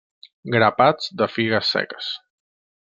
Grapats de figues seques.